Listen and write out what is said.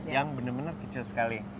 yang benar benar kecil sekali